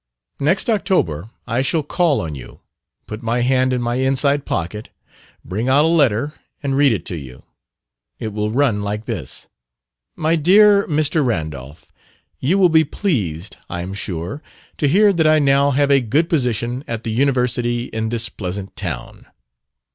Next October I shall call on you, put my hand in my inside pocket, bring out a letter and read it to you. It will run like this: 'My dear Mr. Randolph, You will be pleased, I am sure, to hear that I now have a good position at the university in this pleasant town.